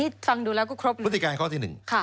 ฟังดูแล้วก็ครบพฤติการข้อที่หนึ่งค่ะ